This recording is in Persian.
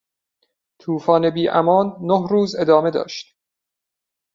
توفان بی امان نه روز ادامه داشت.